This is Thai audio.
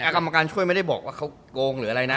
กรรมการช่วยไม่ได้บอกว่าเขาโกงหรืออะไรนะ